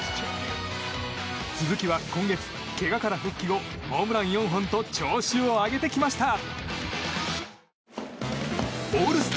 鈴木は今月、けがから復帰後ホームラン４本と調子を上げてきました。